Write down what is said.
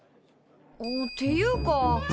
っていうか。